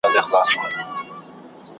ما مي له ژوندون سره یوه شېبه منلې ده .